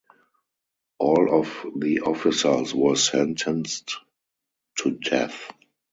All of the officers were sentenced to death.